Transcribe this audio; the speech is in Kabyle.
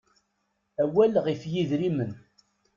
Awal ɣef yidrimen.